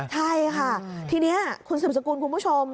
ใช่ค่ะทีนี้คุณสืบสกุลคุณผู้ชม